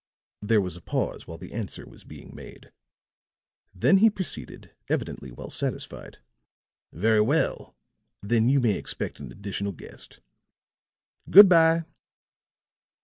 There was a pause while the answer was being made. Then he proceeded, evidently well satisfied: "Very well; then you may expect an additional guest. Good bye."